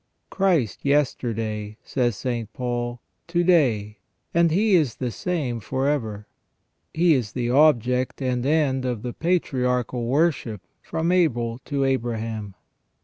"Christ yesterday," says St. Paul, "to day, and He is the same for ever." He is the object and end of the patriarchal worship from Abel to Abraham.